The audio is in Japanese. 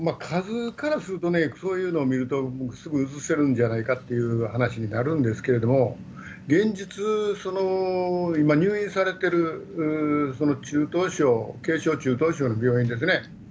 数からすると、そういうのを見ると、すぐ移せるんじゃないかという話になるんですけれども、現実、今、入院されてるその中等症、軽症、中等症の病院ですね。